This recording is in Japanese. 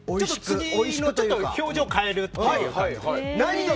次の表情を変えるという感じで。